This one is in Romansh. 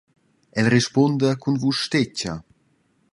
El rispunda cun vusch stetga.